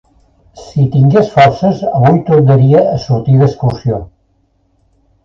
Si tingués forces, avui tornaria a sortir d'excursió.